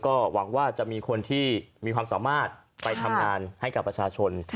ก็หวังว่าจะมีคนที่มีความสามารถไปทำงานให้กับประชาชน